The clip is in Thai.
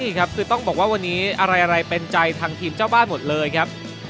นี่ครับคือต้องบอกว่าวันนี้อะไรเป็นใจทางทีมเจ้าบ้านหมดเลยครับ